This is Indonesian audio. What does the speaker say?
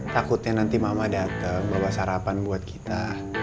takutnya nanti mama datang bawa sarapan buat kita